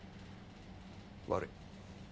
悪い。